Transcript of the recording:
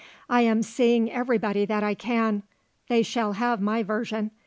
I am seeing everybody that I can; they shall have my version.